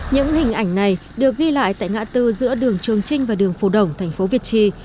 những hình ảnh này được ghi lại tại ngã tư giữa đường trường trinh và đường phù đổng tp viện trì